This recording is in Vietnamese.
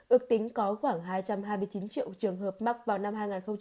ước tính có khoảng hai trăm hai mươi chín triệu trường hợp mắc vào năm hai nghìn hai mươi